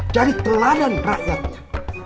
cari terladang rakyatnya